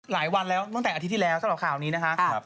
หลายวันแล้วตั้งแต่อาทิตย์ที่แล้วสำหรับข่าวนี้นะคะ